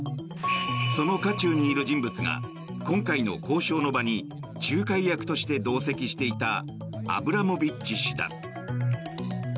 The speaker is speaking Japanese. その渦中にいる人物が今回の交渉の場に仲介役として同席していたアブラモビッチ氏だ。